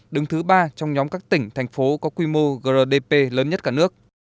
đứng thứ ba trong nhóm các tỉnh thành phố có quy mô grdp lớn nhất cả nước